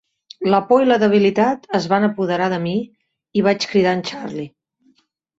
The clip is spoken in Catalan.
La por i la debilitat es van apoderar de mi i vaig cridar en Charlie.